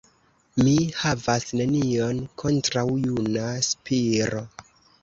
Mi havas nenion kontraŭ juna Spiro!